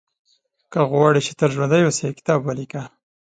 • که غواړې چې تل ژوندی اوسې، کتاب ولیکه.